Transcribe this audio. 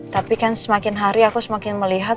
tapi kan semakin hari aku semakin melihat